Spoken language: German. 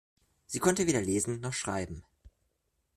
Sie konnte weder lesen noch schreiben.